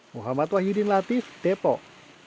muhammad wahyudin latif depok